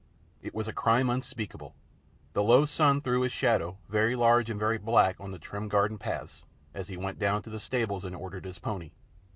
It was a crime unspeakable. The low sun threw his shadow, very large and very black, on the trim garden paths, as he went down to the stables and ordered his pony.